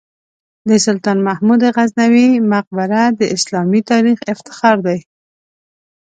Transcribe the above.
د سلطان محمود غزنوي مقبره د اسلامي تاریخ افتخار دی.